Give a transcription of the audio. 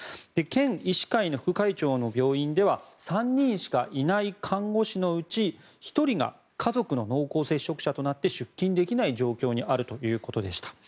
県医師会の副会長の病院では３人しかいない看護師のうち１人が家族の濃厚接触者となって出勤できない状況にあるということでした。